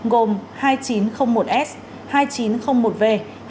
gồm hai nghìn chín trăm linh một s hai nghìn chín trăm linh một v